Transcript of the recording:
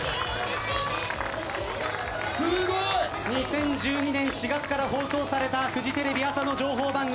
２０１２年４月から放送されたフジテレビ朝の情報番組。